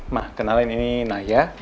nah kenalin ini naya